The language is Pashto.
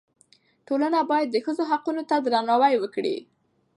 ټولنه باید د ښځو حقونو ته درناوی وکړي.